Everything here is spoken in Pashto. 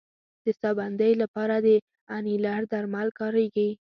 د ساه بندۍ لپاره د انیلر درمل کارېږي.